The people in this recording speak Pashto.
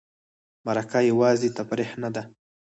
مرکه یوازې تفریح نه ده.